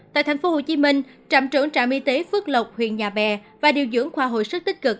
tại tp hcm trạm trưởng trạm y tế phước lộc huyện nhà bè và điều dưỡng khoa hồi sức tích cực